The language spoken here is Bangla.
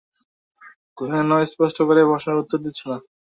কেন স্পষ্ট করে প্রশ্নটার উত্তর দিচ্ছেন না?